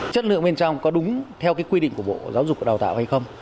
chất lượng bên trong có đúng theo quy định của bộ giáo dục và đào tạo hay không